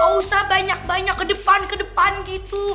gak usah banyak banyak ke depan ke depan gitu